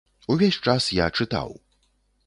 Увесь час я чытаў.